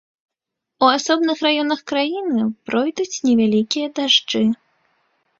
У асобных раёнах краіны пройдуць невялікія дажджы.